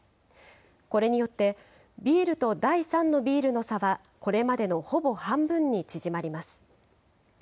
これによって、ビールと第３のビールの差はこれまでのほぼ半分に縮まります。